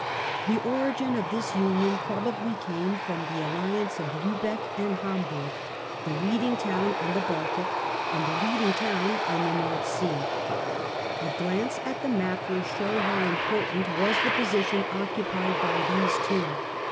The origin of this union probably came from the al L'lbeck liance of Lilbeck and Hamburg, the leading town on burg the Baltic and the leading town on the North Sea. A glance at the map will show how important was the posi tion occupied by these two.